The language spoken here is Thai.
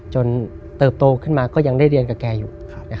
เติบโตขึ้นมาก็ยังได้เรียนกับแกอยู่